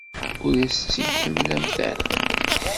Ur as-tt-id-temlamt ara.